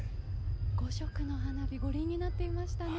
５色の花火、五輪になっていましたね。